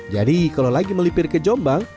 jadi kalau lagi melipir ke jombang